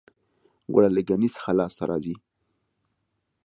ګوړه له ګني څخه لاسته راځي